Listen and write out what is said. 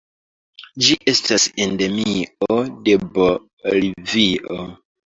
Ĝi estas endemio de Bolivio.